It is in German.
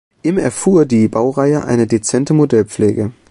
Im erfuhr die Baureihe eine dezente Modellpflege.